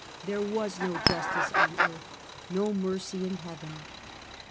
There was no justice on earth, no mercy in heaven.